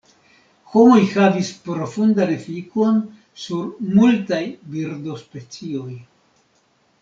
Homoj havis profundan efikon sur multaj birdospecioj.